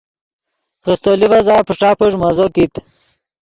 خیستو لیڤزا پݯا پݯ مزو کیت